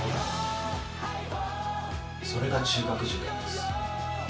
それが中学受験です。